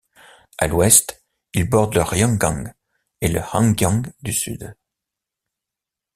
À l´ouest, il borde le Ryanggang et le Hamgyong du Sud.